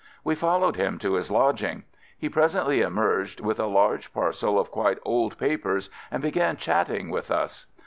We followed him to his lodging. He presently emerged with a large par cel of quite old papers and began chatting with us.